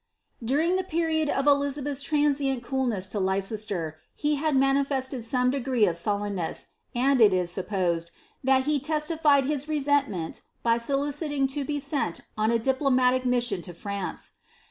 During the period of Elizabeth's transient coolness to Leiceat^, h had manifested some degree of euilenness, and it is supposed, that h leslilied his resentment by soliciting to be sent on a diplomatic mbmi lo France.